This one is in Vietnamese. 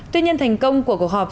tuy nhiên thành công của cuộc họp